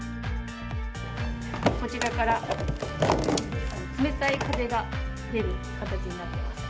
こちらから冷たい風が出る形になってます。